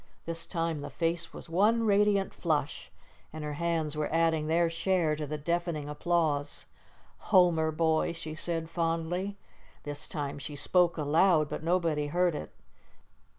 This time the face was one radiant flush, and her hands were adding their share to the deafening applause. "Homer, boy," she said fondly. This time she spoke aloud, but nobody heard it.